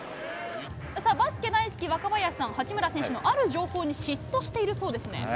バスケ大好き、若林さん、八村選手の、ある情報に嫉妬しているそうですね？